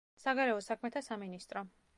საგარეო საქმეთა სამინისტრო.